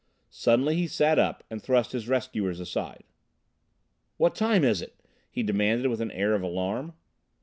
Suddenly he sat up and thrust his rescuers aside. "What time is it?" he demanded with an air of alarm.